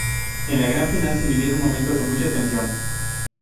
En la gran final se vivieron momentos de mucha tensión.